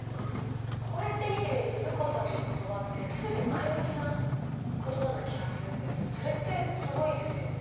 こうやって見てみると優子さんのことばはすべて前向きなことばな気がするんですけれどもそれってすごいですよね。